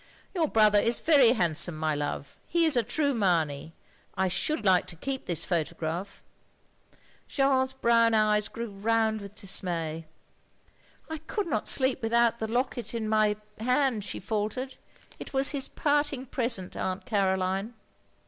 "Your brother is very handsome, my love. He is a true Mamey. I should like to keep this photograph." Jeanne's brown eyes grew rotmd with dismay. "I could not sleep without the locket in my OF GROSVENOR SQUARE 21 hand, " she faltered. " It was his parting present, Aunt Caroline."